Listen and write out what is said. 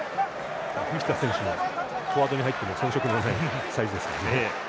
フィフィタ選手もフォワードに入っても遜色のないサイズですからね。